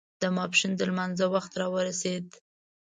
د ماسپښين د لمانځه وخت را ورسېد.